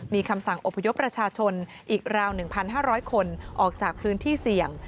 มีคำสั่งอพยพประชาชนอีกราว๑๕๐๐คนออกจากพื้นที่เสี่ยง